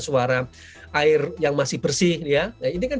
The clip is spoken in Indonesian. suara air yang masih bersih ya nah ini kan